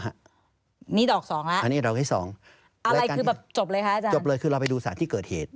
อันนี้ดอก๒แล้วอะไรคือผิดจบเลยค่ะอาจารย์จบเลยคือเราไปดูสารที่เกิดเหตุ